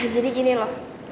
jadi gini loh